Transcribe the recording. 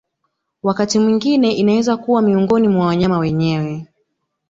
Wakati mwingine inaweza kuwa miongoni mwa wanyama wenyewe